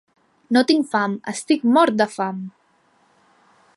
No tinc fam, estic mort de fam.